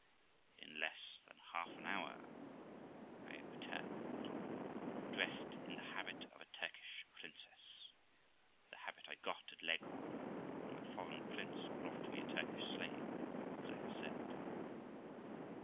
In less than half an hour I returned, dressed in the habit of a Turkish princess j the habit I got at Leghorn, when my foreign prince bought me a Turkish slave, as I have said.